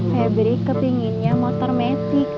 fabrik kepinginnya motor metik